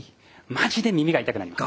マジで耳が痛くなります。